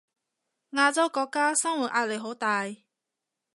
亞洲國家生活壓力好大